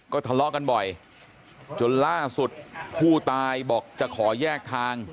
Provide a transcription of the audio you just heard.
ทะเลาะกันบ่อยจนล่าสุดผู้ตายบอกจะขอแยกทาง